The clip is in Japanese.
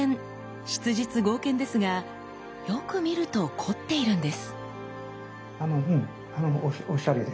質実剛健ですがよく見ると凝っているんです。